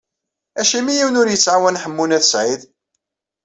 Acimi yiwen ur yettɛawan Ḥemmu n At Sɛid?